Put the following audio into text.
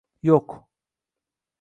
yoʼq